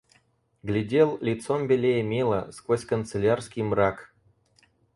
Глядел, лицом белее мела, сквозь канцелярский мрак.